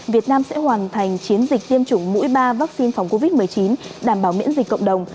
việt nam sẽ hoàn thành chiến dịch tiêm chủng mũi ba vaccine phòng covid một mươi chín đảm bảo miễn dịch cộng đồng